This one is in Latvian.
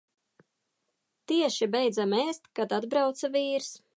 Tieši beidzam ēst, kad atbrauca vīrs.